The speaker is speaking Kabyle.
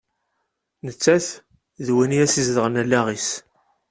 Nettat d win i as-izedɣen allaɣ-is.